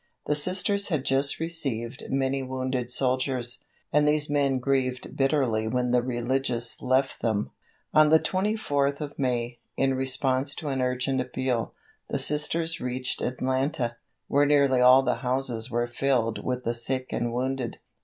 The Sisters had just received many wounded soldiers, and these men grieved bitterly when the religious left them. On the 24th of May, in response to an urgent appeal, the Sisters reached Atlanta, where nearly all the houses were filled with the sick and wounded.